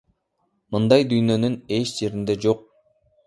Мындай дүйнөнүн эч жеринде жок.